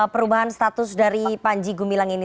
perubahan status dari panji gumilang ini